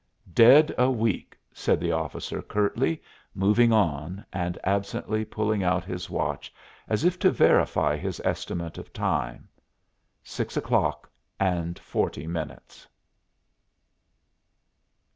"Dead a week," said the officer curtly, moving on and absently pulling out his watch as if to verify his estimate of time. Six o'clock and forty minutes.